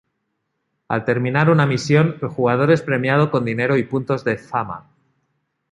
Al terminar una misión, el jugador es premiado con dinero y puntos de "Fama".